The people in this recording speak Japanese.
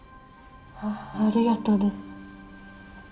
ありがとね。